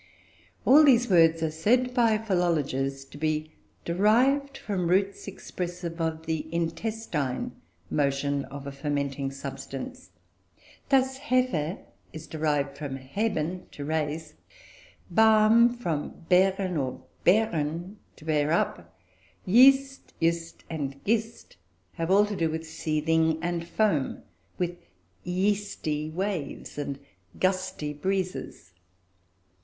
All these words are said by philologers to be derived from roots expressive of the intestine motion of a fermenting substance. Thus "hefe" is derived from "heben," to raise; "barm" from "beren" or "bären," to bear up; "yeast," "yst," and "gist," have all to do with seething and foam, with "yeasty" waves, and "gusty" breezes.